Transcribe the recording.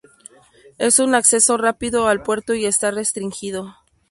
Es un acceso rápido al puerto y está restringido.